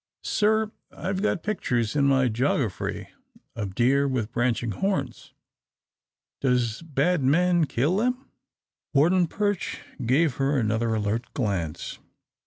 "Sir, I've got pictures in my joggafry of deer with branching horns. Does bad men kill them?" Warden Perch gave her another alert glance.